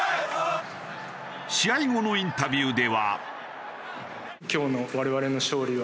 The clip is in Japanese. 試合後のインタビューでは。